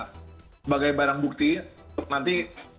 sebagai barang bukti untuk nanti